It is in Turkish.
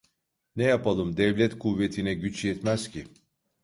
Ne yapalım, devlet kuvvetine güç yetmez ki.